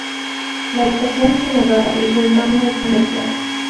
La estación es elevada y su entorno es comercial.